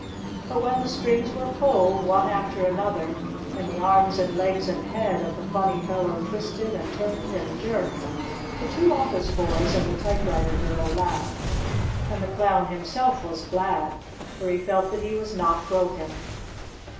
But when the strings were pulled, one after another, and the arms and legs and head of the funny fellow twisted and turned and jerked, the two office boys and the typewriter girl laughed. And the Clown himself was glad, for he felt that he was not broken.